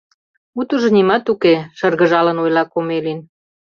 — Утыжо нимат уке, — шыргыжалын ойла Комелин.